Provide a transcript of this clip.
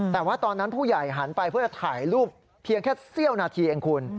แต่ว่าตอนนั้นผู้ใหญ่หันไปเพื่อจะถ่ายรูปเพียงแค่เสี้ยวนาทีเองคุณ